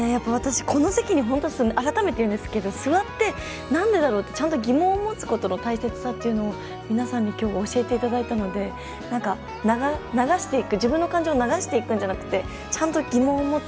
私、改めて言うんですけどこの席に座ってなんでだろうってちゃんと疑問を持つことの大切さっていうのを皆さんにきょう教えていただいたので自分の感情を流していくんじゃなくてちゃんと疑問を持つ。